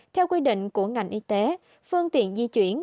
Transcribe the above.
theo quy định của ngành y tế phương tiện di chuyển